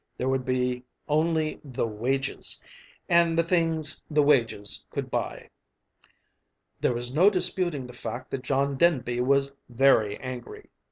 There would be only the "wages," and the things the wages could buy. There was no disputing the fact that John Denby was very angry.